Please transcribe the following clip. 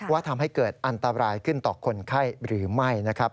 ทำให้เกิดอันตรายขึ้นต่อคนไข้หรือไม่นะครับ